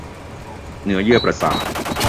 เนื้อเยื่อประสาท